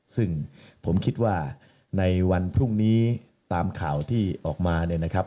ซึ่งผมคิดว่าในวันพรุ่งนี้ตามข่าวที่ออกมาเนี่ยนะครับ